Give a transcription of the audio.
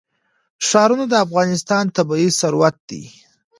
ښارونه د افغانستان طبعي ثروت دی.